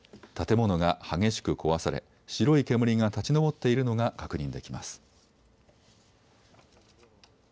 建物が激しく壊され、白い煙が立ち上っているのが確認できます。